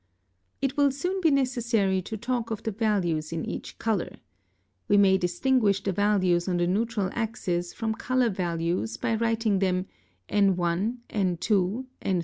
It will soon be necessary to talk of the values in each color. We may distinguish the values on the neutral axis from color values by writing them N1, N2, N3, N4, N5, N6, N7, N8, N9, N10.